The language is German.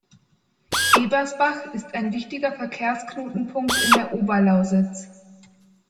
Ebersbach ist ein wichtiger Verkehrsknotenpunkt in der Oberlausitz.